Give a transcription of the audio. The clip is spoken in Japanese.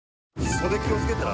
袖気をつけてな。